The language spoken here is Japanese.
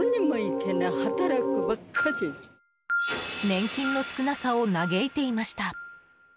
年金の少なさを嘆いていました。